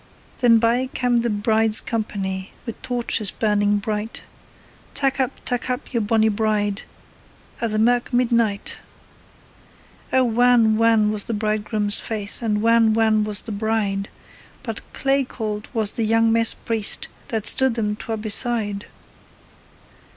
Then by cam' the bride's company Wi' torches burning bright. 'Tak' up, tak' up your bonny bride A' in the mirk midnight!' Oh, wan, wan was the bridegroom's face And wan, wan was the bride, But clay cauld was the young mess priest That stood them twa beside!